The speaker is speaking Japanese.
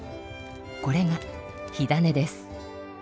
これが火種です。